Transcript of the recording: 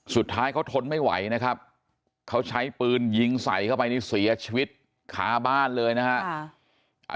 สุดท้ายเขาทนไม่ไหวนะครับเขาใช้ปืนยิงใส่เข้าไปนี่เสียชีวิตคาบ้านเลยนะฮะ